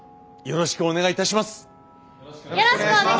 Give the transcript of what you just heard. よろしくお願いします。